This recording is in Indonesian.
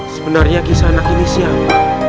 sebenarnya kisah anak ini siapa